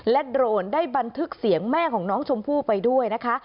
และโดรนได้บันทึกเสียงแม่ของน้องชมพู่ไปด้วยนะคะ